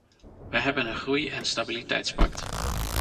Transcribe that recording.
We hebben een groei- en stabiliteitspact.